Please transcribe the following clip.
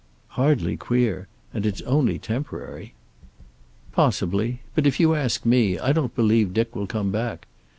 "Hardly queer. And it's only temporary." "Possibly. But if you ask me, I don't believe Dick will come back.